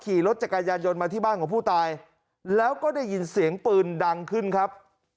ขี่รถจักรยานยนต์มาที่บ้านของผู้ตายแล้วก็ได้ยินเสียงปืนดังขึ้นครับ